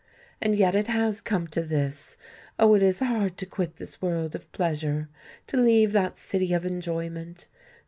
And yet it has come to this! Oh! it is hard to quit this world of pleasure—to leave that city of enjoyment!